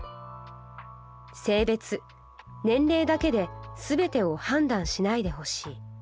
「性別年齢だけですべてを判断しないでほしい。